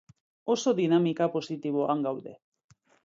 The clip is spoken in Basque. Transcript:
Oso dinamika positiboan gaude.